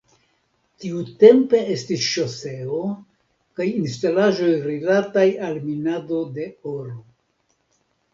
Tiutempe estis ŝoseo kaj instalaĵoj rilataj al minado de oro.